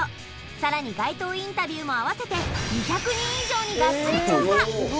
さらに街頭インタビューも合わせて２００人以上にガッツリ調査